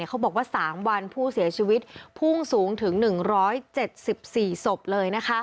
เขาบอกว่า๓วันผู้เสียชีวิตพุ่งสูงถึง๑๗๔ศพเลย